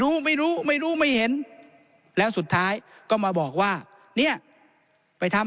รู้ไม่รู้ไม่รู้ไม่เห็นแล้วสุดท้ายก็มาบอกว่าเนี่ยไปทำ